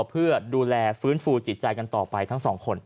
เพื่อดูแลฟื้นฟูจิตใจกันต่อไปทั้งสองคน